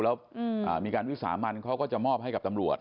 แล้วมีการวิสามันเขาก็จะมอบให้กับตำรวจ